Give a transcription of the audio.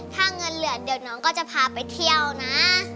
ถ้าเงินเหลือเดี๋ยวน้องก็จะพาไปเที่ยวนะ